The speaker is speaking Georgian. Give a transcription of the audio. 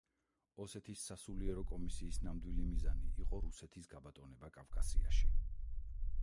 ოსეთის სასულიერო კომისიის ნამდვილი მიზანი იყო რუსეთის გაბატონება კავკასიაში.